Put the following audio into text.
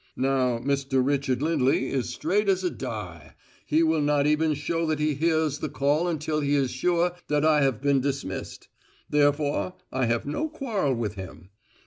Now, Mr. Richard Lindley is straight as a die: he will not even show that he hears the call until he is sure that I have been dismissed: therefore, I have no quarrel with him.